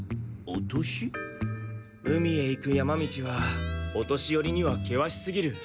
海へ行く山道はお年寄りには険しすぎる。